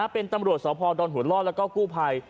เป็นตำรวจสพดอนหัวล่อแล้วก็กู้ภัย